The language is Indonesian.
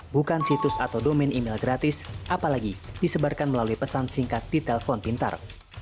bukan situs atau domain email gratis apalagi disebarkan melalui pesan singkat di telpon pintar